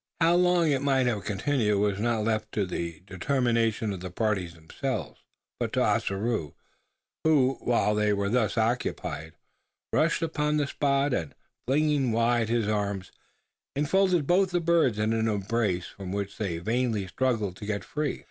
How long it might have continued was not left to the determination of the parties themselves; but to Ossaroo, who, while they were thus occupied, rushed upon the spot; and, flinging wide his arms, enfolded both the birds in an embrace, from which they vainly struggled to get free.